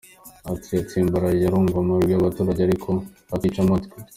Ati “Yatsimbaraye, arumva amajwi y’abaturage ariko akica amatwi.”